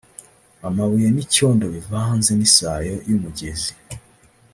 amabuye n’icyondo bivanze n’isayo y’umugezi